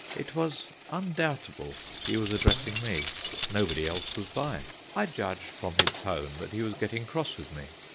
It was undoubtable he was addressing me—nobody else was by. I judged from his tone that he was getting cross with me.